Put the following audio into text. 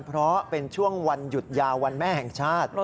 เพราะเป็นช่วงวันหยุดยาววันแม่แห่งชาติ